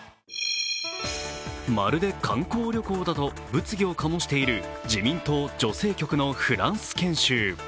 まるで観光旅行だと物議を醸している自民党女性局のフランス研修。